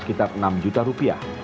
sekitar enam juta rupiah